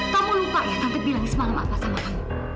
kamu lupa ya tante bilang semalam apa sama kamu